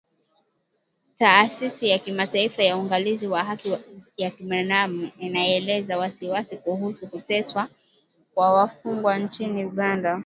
Taasisi ya Kimataifa ya Uangalizi wa Haki za Binaadamu inaelezea wasiwasi kuhusu kuteswa kwa wafungwa nchini Uganda